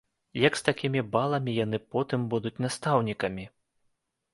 Як з такімі баламі яны потым будуць настаўнікамі?